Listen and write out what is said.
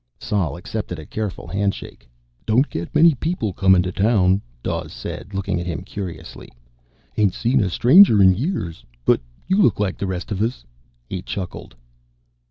Sol accepted a careful handshake. "Don't get many people comin' into town," Dawes said, looking at him curiously. "Ain't seen a stranger in years. But you look like the rest of us." He chuckled.